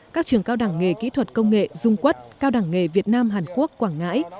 các trường cao đẳng nghề kỹ thuật công nghệ dung quất cao đẳng nghề việt nam hàn quốc quảng ngãi